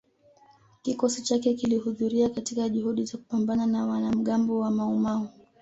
kikosi chake kilihudhuria katika juhudi za kupambana na wanamgambo wa Maumau